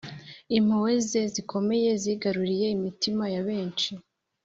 Impuhwe ze zikomeye zigaruriye imitima ya benshi.